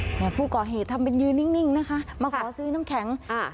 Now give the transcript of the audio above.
เนี่ยผู้ก่อเหตุทำเป็นยืนนิ่งนะคะมาขอซื้อน้ำแข็งอ่า